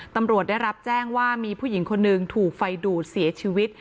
ตำรวจได้รับแจ้งว่ามีผู้หญิงคนหนึ่งถูกไฟดูดเสียชีวิต